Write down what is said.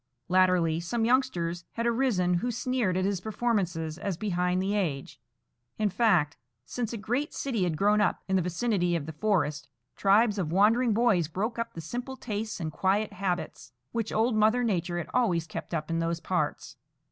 Latterly some youngsters had arisen who sneered at his performances as behind the age. In fact, since a great city had grown up in the vicinity of the forest, tribes of wandering boys broke up the simple tastes and quiet habits which old Mother Nature had always kept up in those parts.